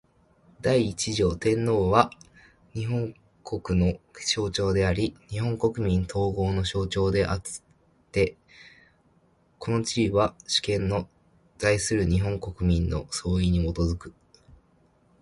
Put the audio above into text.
第一条天皇は、日本国の象徴であり日本国民統合の象徴であつて、この地位は、主権の存する日本国民の総意に基く。